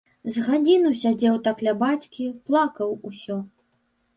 З гадзіну сядзеў так ля бацькі, плакаў усё.